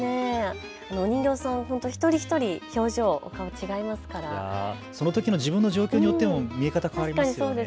お人形さん、本当一人一人、表情、お顔違いますからそのときの自分の状況によっても見え方違いますよね。